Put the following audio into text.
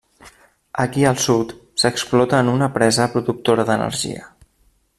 Aquí al sud, s'explota en una presa productora d'energia.